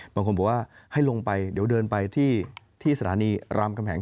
บางคนบอกว่าให้ลงไปเดี๋ยวเดินไปที่สถานีรามคำแหง